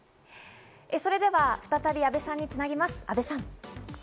それでは再び阿部さんにつなぎます、阿部さん。